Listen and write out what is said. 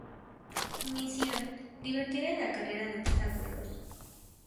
Misión: divertir en la carrera de obstáculos.